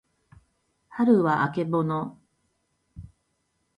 はるはあけぼの